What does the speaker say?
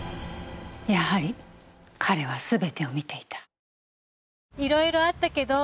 やはり、彼は全てを見ていた。